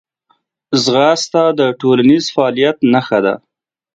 ځغاسته د ټولنیز فعالیت نښه ده